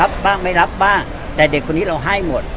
รับบ้างไม่รับบ้างแต่เด็กคนนี้เราให้หมด